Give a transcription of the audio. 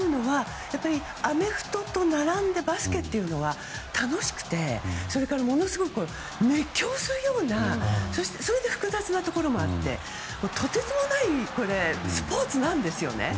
アメフトと並んでバスケというのは楽しくてそれからものすごく熱狂するようなそれで複雑なところもあってとてつもないスポーツなんです。